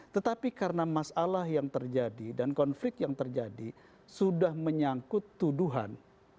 tetapi karena masalah yang terjadi dan konflik yang terjadi sudah menyangkut tuduhan